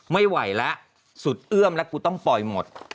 ไม่ไหวแล้วสุดเอื้อมแล้วกูต้องปล่อยหมด